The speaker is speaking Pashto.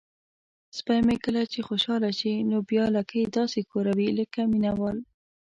سپی مې کله چې خوشحاله شي نو بیا لکۍ داسې ښوروي لکه مینه وال.